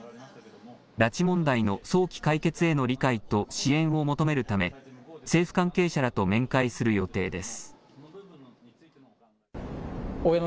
拉致問題の早期解決への理解と支援を求めるため政府関係者らと面会する予定です。